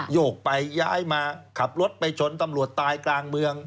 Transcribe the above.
โยกไปย้ายมาขับรถไปชนตำรวจตายกลางเมือง